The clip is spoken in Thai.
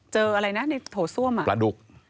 เจออะไรนะในโถส้วมปลาดุก